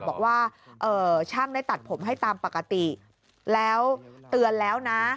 บอกว่าช่างได้ตัดผมให้ตามปกติแล้วเตือนแล้วนะ